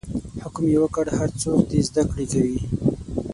حکم یې وکړ هر څوک دې زده کړه کوي.